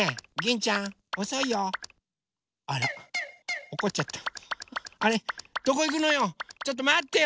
ちょっとまってよ！